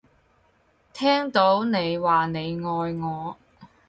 聽到你話你愛我